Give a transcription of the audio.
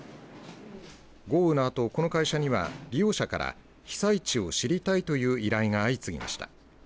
豪雨のあと、この会社には利用者から被災地を知りたいという依頼が相次ぎました。